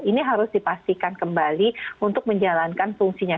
ini harus dipastikan kembali untuk menjalankan fungsinya